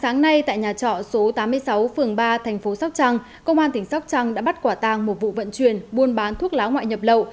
sáng nay tại nhà trọ số tám mươi sáu phường ba thành phố sóc trăng công an tỉnh sóc trăng đã bắt quả tàng một vụ vận chuyển buôn bán thuốc lá ngoại nhập lậu